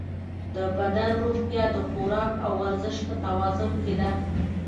د بدن روغتیا د خوراک او ورزش په توازن کې ده.